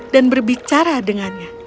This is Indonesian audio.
dan berbicara dengannya